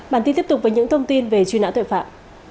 bản tin tiếp tục với những thông tin về truy nã tội phạm